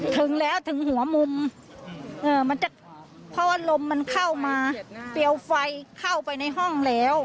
ถึงแล้วถึงหัวมุมมันจะเพราะว่าลมมันเข้ามาเปรียวไฟเข้าไปในห้องแล้ว